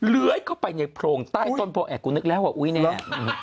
เลื้อยเข้าไปในโพรงใต้ต้นโพแอกกูนึกแล้วว่าอุ๊ยแน่